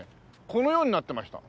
このようになってました。